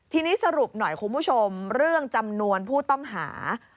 ทีนี้สรุปหน่อยคุณผู้ชมเรื่องจำนวนผู้ต้องหา